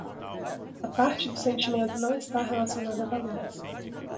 A parte do sentimento não está relacionada a valores